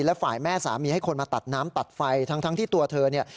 และฝ่ายแม่สามีให้คนมาตัดน้ำตัดไฟทั้งที่ตัวเธอเนี่ย